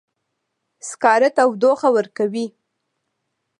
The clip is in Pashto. سکاره تودوخه ورکوي